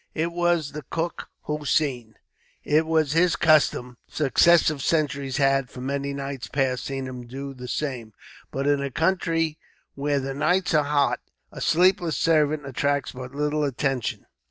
It was the cook, Hossein. It was his custom. Successive sentries had, for many nights past, seen him do the same; but in a country where the nights are hot, a sleepless servant attracts but little attention.